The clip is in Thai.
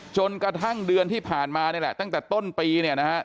จนกระทั่งเดือนที่ผ่านมานี่แหละตั้งแต่ต้นปีเนี่ยนะฮะ